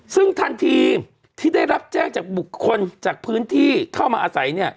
ซึ่งทันทีที่ได้รับแจ้งจากบุคคลจากพื้นที่เข้ามาอาศัย